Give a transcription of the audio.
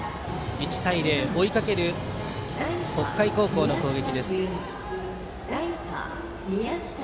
１対０、追いかける北海高校の攻撃。